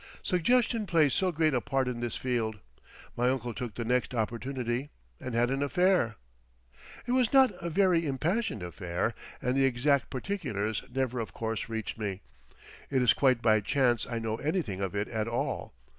Suggestion plays so great a part in this field. My uncle took the next opportunity and had an "affair"! It was not a very impassioned affair, and the exact particulars never of course reached me. It is quite by chance I know anything of it at all.